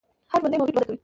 هر ژوندی موجود وده کوي